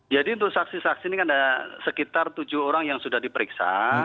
jadi untuk saksi saksi ini kan ada sekitar tujuh orang yang sudah diperiksa